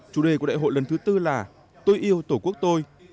chủ đề của đại hội lần thứ tư là tôi yêu tổ quốc tôi